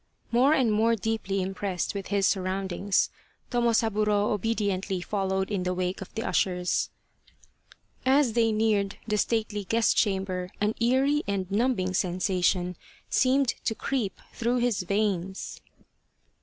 More and more deeply impressed with his surround ings, Tomosaburo obediently followed in the wake of the ushers. As they neared the stately guest chamber an eerie and numbing sensation seemed to creep through his veins.